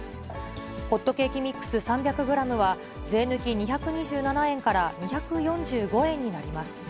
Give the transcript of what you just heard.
ホットケーキミックス３００グラムは、税抜き２２７円から２４５円になります。